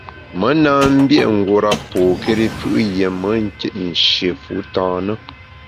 Me na mbié’ ngura pôkéri fù’ yié me nkit nshié fu tâ na.